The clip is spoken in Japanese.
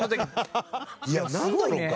いやなんだろうか？